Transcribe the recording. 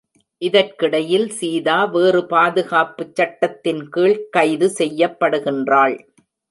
இதற்கிடையில் சீதா வேறு பாதுகாப்புச் சட்டத்தின்கீழ்க் கைது செய்யப்படுகின்றாள்.